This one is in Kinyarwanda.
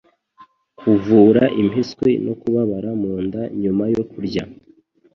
kuvura impiswi no kubabara mu nda nyuma yo kurya.